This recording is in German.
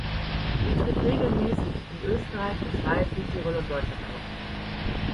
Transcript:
Sie tritt regelmäßig in Österreich, der Schweiz, Südtirol und Deutschland auf.